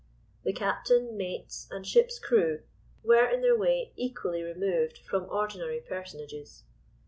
The captain, mates and ship's crew were, in their way, equally removed from ordinary personages.